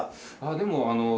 でもあの。